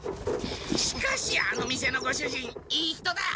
しかしあの店のご主人いい人だ！